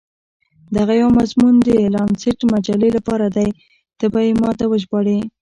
دغه یو مضمون د لانسیټ مجلې لپاره دی، ته به يې ما ته وژباړې.